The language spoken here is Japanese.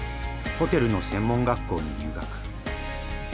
ホテルの専門学校に入学。